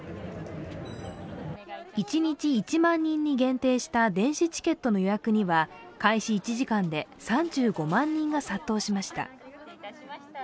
一日１万人に限定した電子チケットの予約には開始１時間で３５万人が殺到しました。